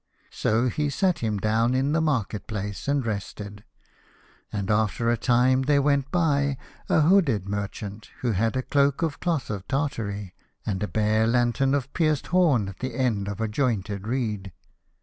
So he sat him down in the market place and rested, and after a time there went by a hooded merchant who had a cloak of cloth of Tartary, and bare a lantern of pierced horn at the end of a jointed reed.